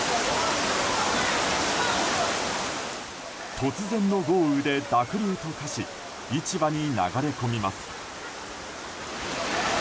突然の豪雨で濁流と化し市場に流れ込みます。